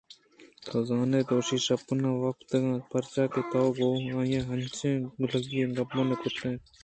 تو زانئے دوشی شپ ءَ نہ وپتگ پرچاکہ تو گوں آئی انچیں گلگی گپ کُتگ اَت